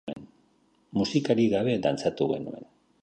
Musikarik gabe dantzatu genuen.